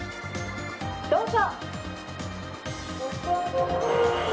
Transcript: どうぞ。